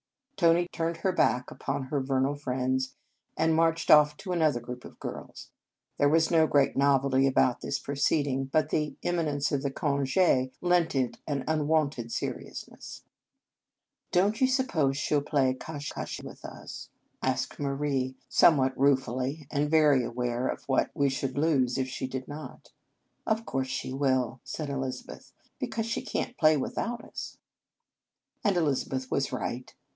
Tony turned her back upon her ve nal friends, and marched off to another group of girls. There was no great novelty about this proceeding, but the imminence of the conge lent it an un wonted seriousness. In Our Convent Days " Don t you suppose she 11 play cache cache with us ?" asked Marie somewhat ruefully, and well aware of what we should lose if she did not. "Of course she will," said Eliza beth, " because she can t play without us." And Elizabeth was right.